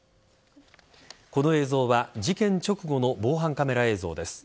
この映像は事件直後の防犯カメラ映像です。